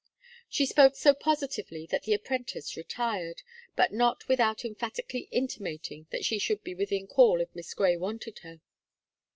She spoke so positively, that the apprentice retired, but not without emphatically intimating that she should be within call if Miss Gray wanted her.